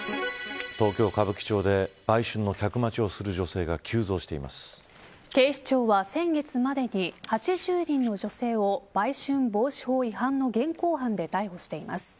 東京・歌舞伎町で売春の客待ちをする女性が警視庁は先月までに８０人の女性を売春防止法違反の現行犯で逮捕しています。